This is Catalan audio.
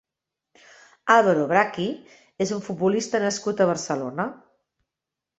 Álvaro Brachi és un futbolista nascut a Barcelona.